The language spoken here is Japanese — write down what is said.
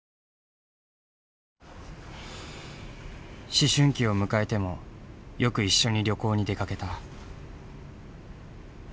思春期を迎えてもよく一緒に旅行に出かけた。